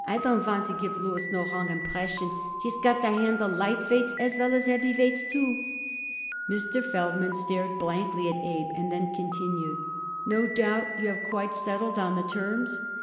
I don't want to give Louis no wrong impression. He's got to handle lightweights as well as heavyweights, too." Mr. Feldman stared blankly at Abe and then continued: "No doubt you have quite settled on the terms."